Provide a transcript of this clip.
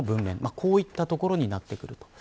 こういったところになってくると。